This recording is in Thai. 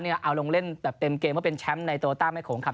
เอาลงเล่นแบบเต็มเกมเพราะเป็นแชมป์ในตัวตั้งให้โขงครับ